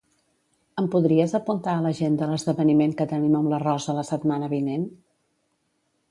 Em podries apuntar a l'agenda l'esdeveniment que tenim amb la Rosa la setmana vinent?